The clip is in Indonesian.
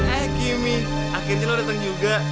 eh kimmy akhirnya lo dateng juga